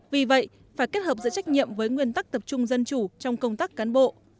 vì vậy phải kết hợp giữa trách nhiệm với nguyên tắc tập trung dân chủ trong công tác cán bộ